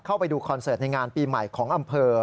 เข้าไปดูคอนเสิร์ตในงานปีใหม่ของอำเภอ